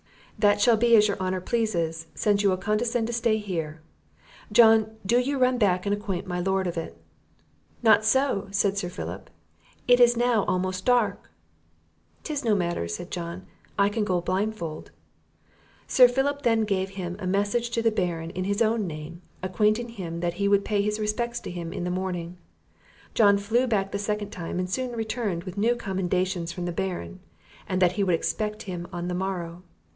"That shall be as your honour pleases, since you will condescend to stay here. John, do you run back and acquaint my Lord of it." "Not so," said Sir Philip; "it is now almost dark." "'Tis no matter," said John, "I can go it blindfold." Sir Philip then gave him a message to the Baron in his own name, acquainting him that he would pay his respects to him in the morning. John flew back the second time, and soon returned with new commendations from the Baron, and that he would expect him on the morrow.